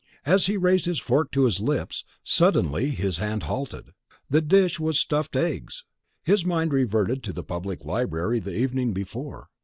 As he raised his fork to his lips, suddenly his hand halted. The dish was stuffed eggs. His mind reverted to the Public Library the evening before.